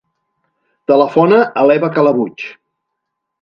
Telefona a l'Eva Calabuig.